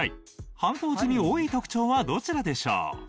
犯行時に多い特徴はどちらでしょう？